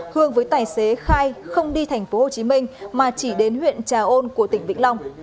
hương với tài xế khai không đi tp hcm mà chỉ đến huyện trà ôn của tỉnh bình thánh